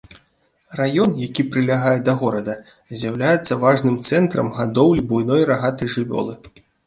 Раён, які прылягае да горада, з'яўляецца важным цэнтрам гадоўлі буйной рагатай жывёлы.